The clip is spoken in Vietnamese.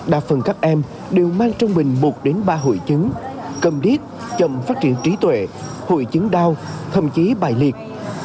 đa phần các em đều mang trong mình một đến ba hội chứng cầm điết chậm phát triển trí tuệ hội chứng đau thậm chí bài liệt